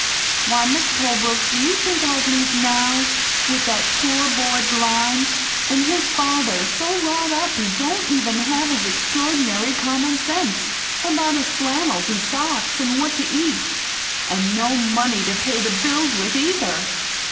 Why, Mis' Colebrook, do you think I'd leave NOW, with that poor boy blind, an' his father so wrought up he don't have even his extraordinary common sense about his flannels an' socks an' what to eat, an' no money to pay the bills with, either?